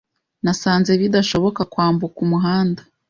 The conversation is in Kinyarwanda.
Nasanze bidashoboka kwambuka umuhanda.